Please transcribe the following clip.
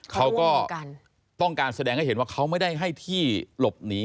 เขาก็ต้องการแสดงให้เห็นว่าเขาไม่ได้ให้ที่หลบหนี